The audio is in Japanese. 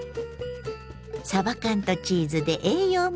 さば缶とチーズで栄養も満点！